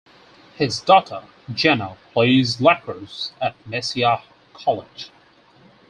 His daughter, Jenna, plays lacrosse at Messiah College.